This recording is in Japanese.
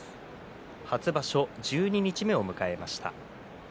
初場所、十二日目を迎えました。